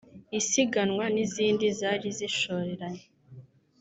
isiganwa n’izindi zari zishoreranye